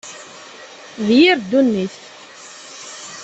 D yir ddunit.